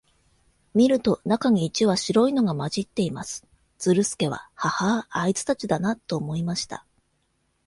見ると、中に一羽白いのが混じっています。ズルスケは、ハハア、あいつたちだな、と思いました。